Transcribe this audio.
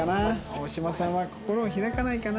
大島さんは心を開かないかな？